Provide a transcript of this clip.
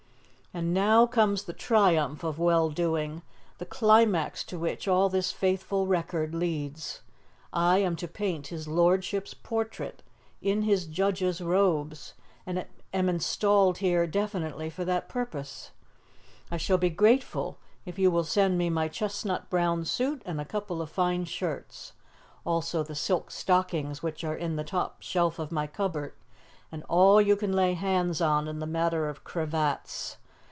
"And now comes the triumph of well doing the climax to which all this faithful record leads. I am to paint his lordship's portrait (in his Judge's robes), and am installed here definitely for that purpose! I shall be grateful if you will send me my chestnut brown suit and a couple of fine shirts, also the silk stockings which are in the top shelf of my cupboard, and all you can lay hands on in the matter of cravats.